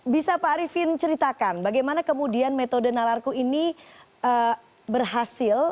bisa pak arifin ceritakan bagaimana kemudian metode nalarku ini berhasil